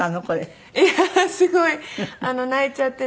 いやすごい泣いちゃってて。